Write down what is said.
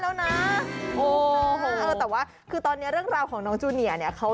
เขาคิดว่าเขาเป็นแมวเป็นหมา